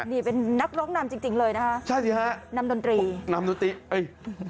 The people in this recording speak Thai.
นี่เป็นนักร้องนำจริงจริงเลยนะคะใช่สิฮะนำดนตรีนำดนตรีเอ้ย